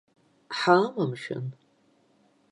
Ҳаама мшәан!